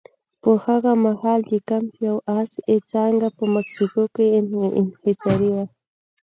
په هغه مهال د کمپ یو اس اې څانګه په مکسیکو کې انحصاري وه.